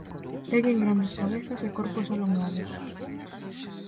Teñen grandes cabezas e corpos alongados.